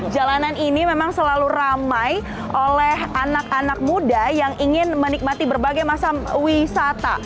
jalanan ini memang selalu ramai oleh anak anak muda yang ingin menikmati berbagai masa wisata